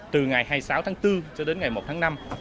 từ ngày hai mươi sáu tháng bốn cho đến ngày một tháng năm